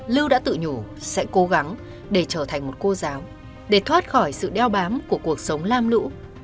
lưu đã tự nhủ sẽ cố gắng để trở thành một cô giáo để thoát khỏi sự đeo bám của cuộc sống lam lũ